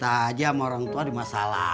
kebenaran kita harus berusaha